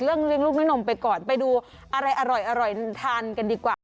เลี้ยงลูกน้อยนมไปก่อนไปดูอะไรอร่อยทานกันดีกว่า